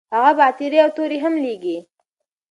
هغه به غاترې او توري هم لیږي.